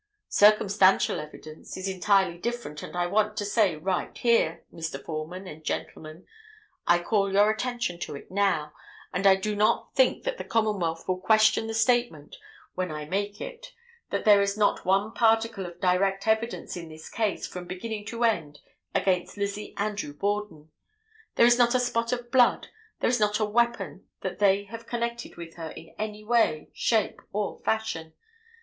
Circumstantial evidence is entirely different and I want to say right here, Mr. Foreman and gentlemen—I call your attention to it now, and I do not think that the commonwealth will question the statement when I make it—that there is not one particle of direct evidence in this case from beginning to end against Lizzie Andrew Borden. There is not a spot of blood, there is not a weapon that they have connected with her in any way, shape or fashion.